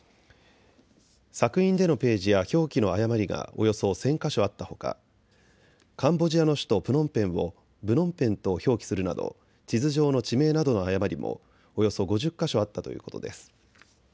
索引でのページや表記の誤りがおよそ１０００か所あったほかカンボジアの首都プノンペンをブノンペンと表記するなど地図上の地名などの誤りもおよそ５０か所あったということです。